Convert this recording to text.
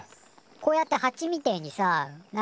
こうやってハチみてえにさ何？